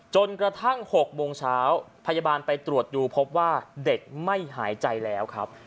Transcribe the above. จนกระทั่ง๖โมงเช้าพยาบาลไปตรวจดูพบว่าเด็กไม่หายใจแล้วครับ